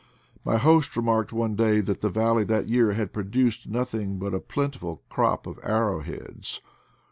My host remarked one day that the valley that year had produced nothing but a plentiful crop of ar row heads.